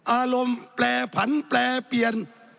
อารมณ์แปรผันแปรเปลี่ยน